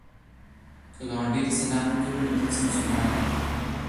که ګاونډي ته سلام نه کوې، نو ته څه مسلمان یې؟